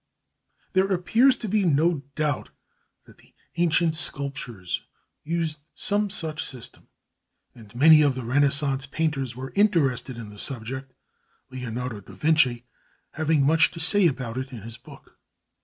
There appears to be no doubt that the ancient sculptors used some such system. And many of the renaissance painters were interested in the subject, Leonardo da Vinci having much to say about it in his book.